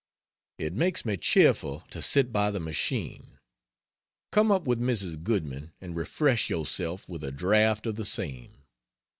It makes me cheerful to sit by the machine: come up with Mrs. Goodman and refresh yourself with a draught of the same.